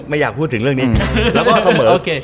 ไม่อยากพูดถึงเรื่องนี้แล้วก็เสมอพาเลส